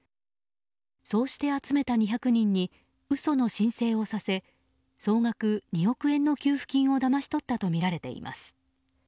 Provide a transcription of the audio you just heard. そうして集めた２００人に嘘の申請をさせ総額２億円の給付金をだまし取ったとみられています。